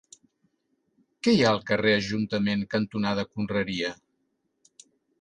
Què hi ha al carrer Ajuntament cantonada Conreria?